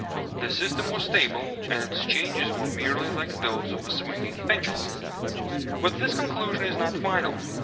The system was stable, and its changes were merely like those of a swinging pendulum. But this conclusion is not final.